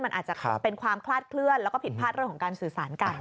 มันอาจจะเป็นความคลาดเคลื่อนแล้วก็ผิดพลาดเรื่องของการสื่อสารกัน